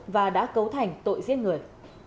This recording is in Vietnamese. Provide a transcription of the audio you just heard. và đã cấu thành tội giết người